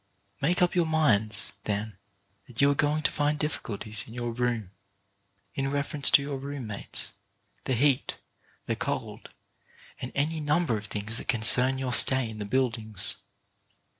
Make up your minds, then, that you are going to find difficulties in your room, in reference to your room mates, the heat, the cold, and any number of things that concern your stay in the buildings.